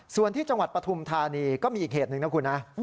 ส่วนที่จังหวัดปฐุมธานีก็มีอีกเหตุหนึ่งนะคุณนะ